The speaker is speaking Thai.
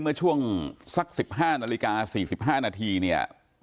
เมื่อช่วงสัก๑๕นาฬิกา๔๕นาทีเนี่ย